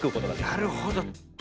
なるほど。